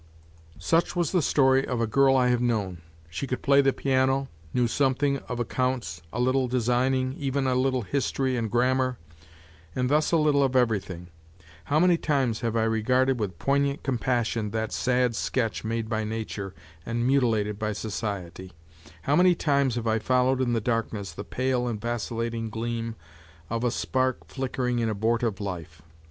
Such was the story of a girl I have known. She could play the piano, knew something of accounts, a little designing, even a little history and grammar, and thus a little of everything. How many times have I regarded with poignant compassion that sad sketch made by nature and mutilated by society! How many times have I followed in the darkness the pale and vacillating gleam of a spark flickering in abortive life!